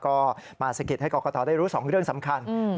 ก็มาสะกิดให้กรกตได้รู้สองเรื่องสำคัญ